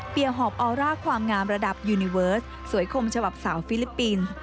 หอบออร่าความงามระดับยูนิเวิร์สสวยคมฉบับสาวฟิลิปปินส์